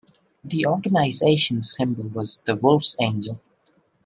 The organisation's symbol was the "Wolfsangel".